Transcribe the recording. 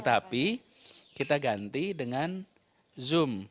tapi kita ganti dengan zoom